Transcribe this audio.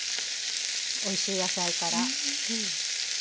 おいしい野菜から。